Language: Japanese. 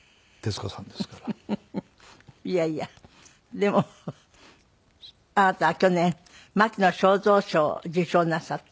でもあなたは去年牧野省三賞を受賞なさって。